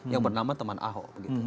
yang bernama teman aho